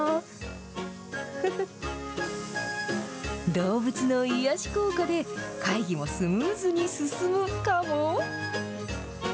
動物の癒やし効果で、会議もスムーズに進むかも？